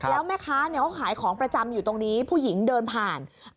แล้วแม่ค้าเขาขายของประจำอยู่ตรงนี้ผู้หญิงเดินผ่าน